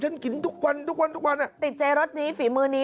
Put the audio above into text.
ฉันกินทุกวันทุกวันทุกวันติดใจรสนี้ฝีมือนี้